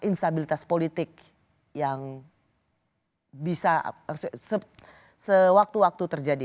instabilitas politik yang bisa sewaktu waktu terjadi